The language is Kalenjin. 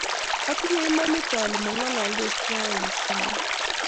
Atinye imanit ale mangalaldos tuwai eng simet